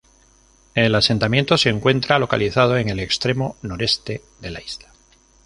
El asentamiento se encuentra localizado en el extremo noreste de la isla.